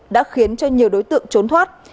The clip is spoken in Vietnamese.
đã khiến cho nhiều đối tượng trốn thoát